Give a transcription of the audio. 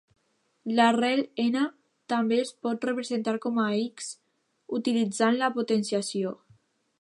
L'arrel "n" també es pot representar com a "x" utilitzant la potenciació.